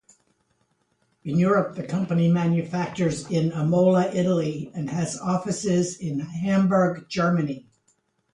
In Europe, the company manufactures in Imola, Italy and has offices in Hamburg, Germany.